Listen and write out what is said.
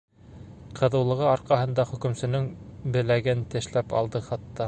Ҡыҙыулығы арҡаһында хокөмсөнөң беләген тешләп алды, хатта.